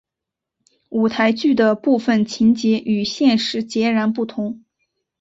舞台剧的部分情节与现实截然不同。